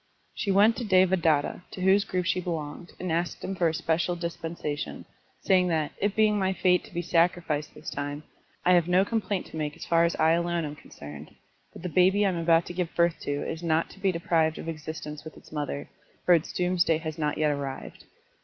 She Vent to Devadatta, to whose group she belonged, and asked him for a special dispensation, saying that " It being my fate to be sacrificed this time, I have no complaint to make as far as I alone am concerned, but the baby I am about to give birth to is not to be deprived of existence with its mother, for its doomsday has not yet arrived.